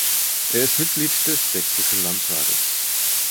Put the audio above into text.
Er ist Mitglied des Sächsischen Landtages.